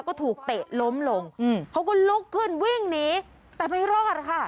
ก็ถูกเตะล้มลงอืมเขาก็ลุกขึ้นวิ่งหนีแต่ไม่รอดค่ะ